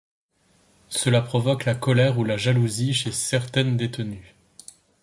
Cela provoque la colère ou la jalousie chez certaines détenues.